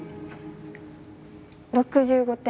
６５点。